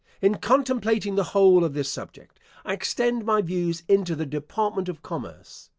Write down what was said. In contemplating the whole of this subject, I extend my views into the department of commerce.